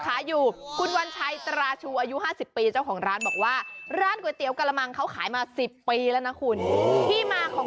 คือคุณนึกออกมั้ยถ้าเป็นถ้วยกระเบื้อง